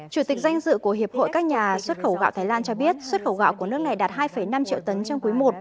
chủ tịch danh dự của hiệp hội các nhà xuất khẩu gạo thái lan cho biết xuất khẩu gạo của nước này đạt hai năm triệu tấn trong quý i